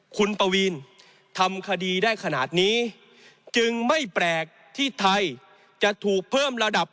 คุณปวีนทำคดีได้ขนาดนี้จึงไม่แปลกที่ไทยจะถูกเพิ่มระดับ